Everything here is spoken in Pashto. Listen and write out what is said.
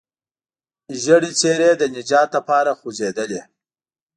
ژېړې څېرې د نجات لپاره خوځېدلې.